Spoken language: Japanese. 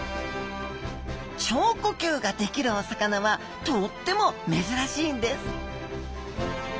腸呼吸ができるお魚はとっても珍しいんです